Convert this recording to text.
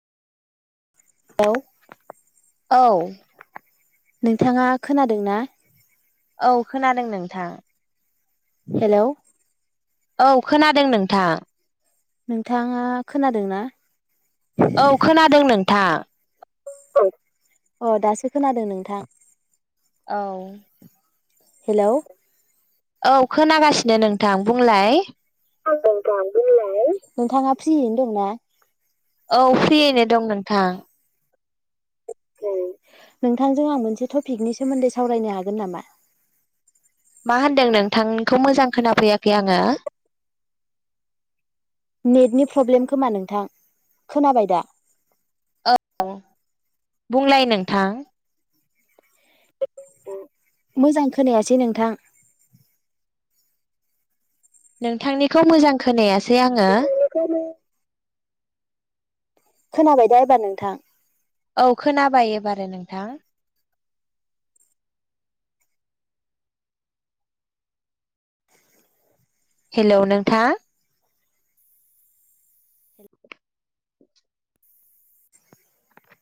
औ। औ। नोंथाङा खोनादों ना? औ खोनादों नोंथां। हेल'। औ खोनादों नोंथां। नोंथाङा खोनादों ना? औ खोनादों नोंथां। अ दासो खोनादों नोंथां। औ हेलौ। औ खोनागासिनो नोंथां बुंलाय। [unintelligible] नोंथाङा फ्रियैनो दंना? औ फ्रियैनो दं नोंथां। औ नोंथांजों आं मोनसे टपिकनि सोमोन्दै सावरायनो हागोन नामा? मा होनदों नोंथांखौ मोजां खोनाफैयाखै आङो। नेटनि प्रब्लेम खोमा नोंथां खोनाबाय दा। बुंलाय नोंथां। मोजां खोनायासै नोंथां नोंथांनिखौ मोजां खोनाया सै आङो। खोनाबाय दा एबार नोंथां। औ खोनाबाय एबारो नोंथां। हेल' नोंथां।